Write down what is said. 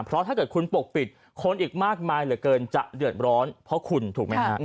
เพราะถ้าเกิดคุณปกปิดคนอีกมากมายเหลือเกินจะเดือดร้อนเพราะคุณถูกไหมฮะ